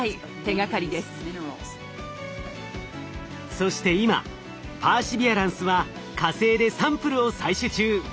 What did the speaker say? そして今パーシビアランスは火星でサンプルを採取中。